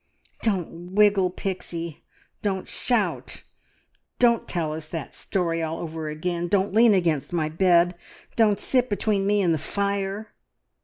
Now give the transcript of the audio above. "Don't wriggle, Pixie! ... Don't shout! Don't tell us that story all over again. ... Don't lean against my bed. ... Don't sit between me and the fire!"